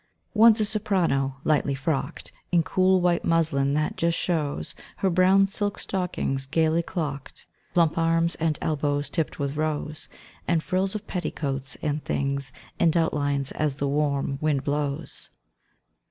One's a soprano, lightly frocked In cool, white muslin that just shows Her brown silk stockings gaily clocked, Plump arms and elbows tipped with rose, And frills of petticoats and things, and outlines as the warm wind blows.